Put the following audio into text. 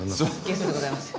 ゲストでございます。